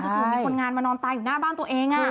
ถูกมีคนงานมานอนตายอยู่หน้าบ้านตัวเอง